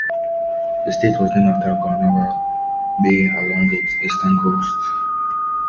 The state was named after Guanabara Bay, along its eastern coast.